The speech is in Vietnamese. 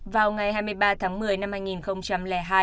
vào ngày hai mươi ba tháng một mươi năm hai nghìn hai